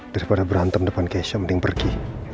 daripada berantem depan cash mending pergi